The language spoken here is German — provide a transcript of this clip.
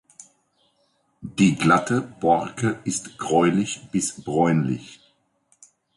Die glatte Borke ist gräulich bis bräunlich.